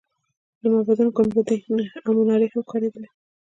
د معبدونو ګنبدونه او منارې هم ښکارېدلې.